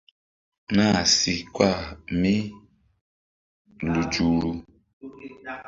Nah si kpah mí lu zuhru.